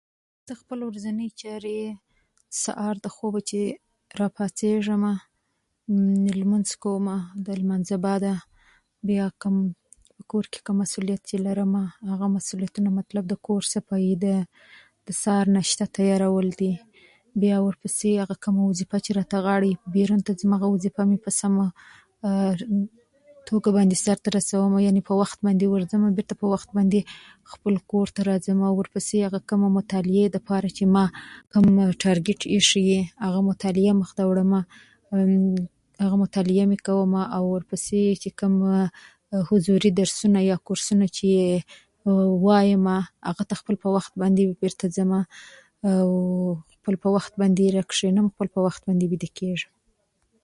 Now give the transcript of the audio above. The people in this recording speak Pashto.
زه خپلې ورځنۍ چارې چې سهار د خوبه چي راپاڅېژمه، لمونځ کومه. د لمانځه باده بيا که په کور کې کوم مسووليت لرم، هغه مسووليتونه، مطلب د کور صفايي ده د سهار ناشته تيارول دي. بيا ورپسې هغه کومه وظيفه چې راته غاړه يې، بېرون ته ځمه، هغه وظيفه په سم توګه سرته رسوم، يعنې په وخت ورځمه او بېرته په وخت خپل کور ته راځمه. او ورپسې چي کومې مطالعې لپاره چې ما ټارګېټ ايشی يې، هغه مطالعه مخته وړم. هغه مطالعه مي کومه. ورپسې چې کوم حضوري درسونه او کورسونه چي وايمه، هغه ته خپل په وخت باندې بيرته ځمه اوخپل په وخت باندي راکيشنم، او خپل په وخت باندې ويده کېږم.